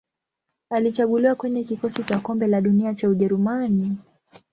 Alichaguliwa kwenye kikosi cha Kombe la Dunia cha Ujerumani.